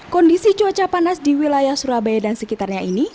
kondisi cuaca panas di wilayah surabaya dan sekitarnya ini